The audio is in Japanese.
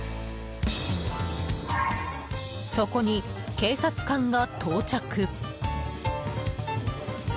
そこに警察官が到着。